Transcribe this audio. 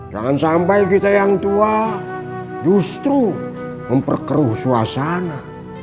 jangan sampai kita yang tua justru memperkeruh suasana